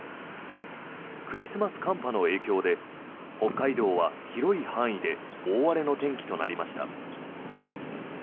クリスマス寒波の影響で北海道は広い範囲で大荒れの天気となりました。